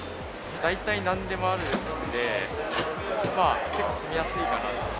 大体なんでもあるんで、まあ、結構住みやすいかな。